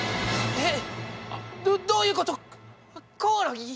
えっ？